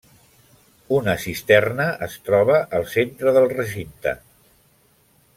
Una cisterna es troba al centre del recinte.